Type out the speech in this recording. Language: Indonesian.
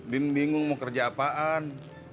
din bingung mau kerja apaan